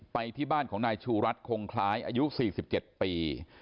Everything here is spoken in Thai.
ไปที่บ้านของนายชูรัฐคงคล้ายอายุ๔๗ปี